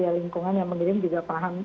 ya lingkungan yang mengirim juga paham